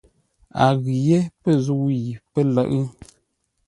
A ghʉ yé pə̂ zə̂u yi pə́ lə̌ʼ.